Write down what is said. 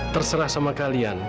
terserah sama kalian